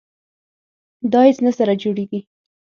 دا هیڅ نه سره جوړیږي.